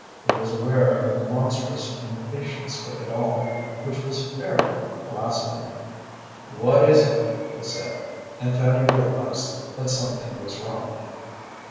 He was aware of a monstrous impatience with it all, which was fairly blasphemy. "What is it?" he said, and Fanny realized that something was wrong.